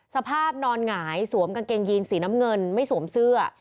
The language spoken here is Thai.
สภาพนอนหงายสวมกางเกงยีนสีน้ำเงินไม่สวมเสื้อ